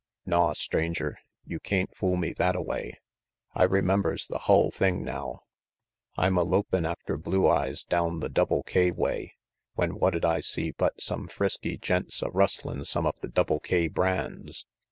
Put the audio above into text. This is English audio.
"Naw, Stranger, you cain't fool me thattaway. I remembers the hull thing now. I'm a lopin' after Blue Eyes down the Double K way, when what'd I see but some frisky gents a rustlin' some of the Double K brands.